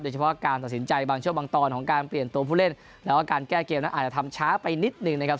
เฉพาะการตัดสินใจบางช่วงบางตอนของการเปลี่ยนตัวผู้เล่นแล้วก็การแก้เกมนั้นอาจจะทำช้าไปนิดนึงนะครับ